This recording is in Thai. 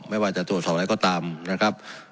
ไม่ว่าจะตรวจสอบอะไรก็ตามนะครับ